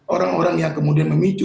orang orang yang kemudian memicu